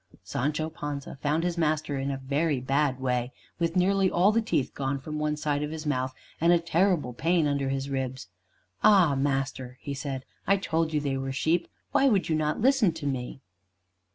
Sancho Panza found his master in a very bad way, with nearly all the teeth gone from one side of his mouth, and with a terrible pain under his ribs. "Ah! master," he said, "I told you they were sheep. Why would not you listen to me?"